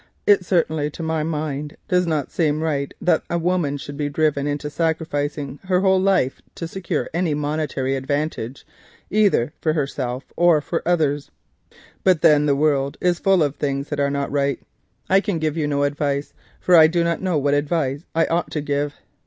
It certainly to my mind does not seem right that a woman should be driven into sacrificing her whole life to secure any monetary advantage either for herself or for others, but then the world is full of things that are not right. I can give you no advice, for I do not know what advice I ought to give.